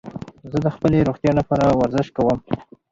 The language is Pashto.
زه د خپلي روغتیا له پاره ورزش کوم.